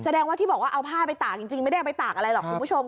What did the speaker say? แสดงว่าที่บอกว่าเอาผ้าไปตากจริงไม่ได้เอาไปตากอะไรหรอกคุณผู้ชม